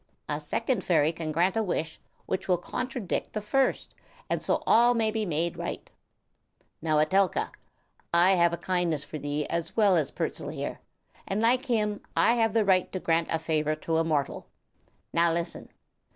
A second fairy can grant a wish which will contradict the first, and so all may be made right. Now, Etelka, I have a kindness for thee as well as Pertzal here, and like him I have the right to grant a favor to a mortal. Now, listen.